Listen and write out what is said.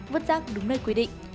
vất rác đúng nơi quy định